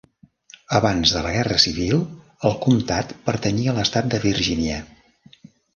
Abans de la Guerra Civil, el comtat pertanyia a l'estat de Virgínia.